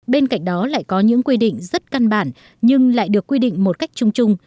bên cạnh đó lại có những quy định rất căn bản nhưng lại được quy định một cách chung chung